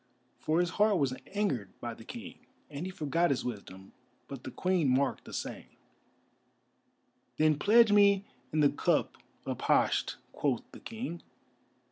For his heart was angered by the King, and he forgot his wisdom, but the Queen marked the saying. "Then pledge me in the cup of Pasht!" quoth the King.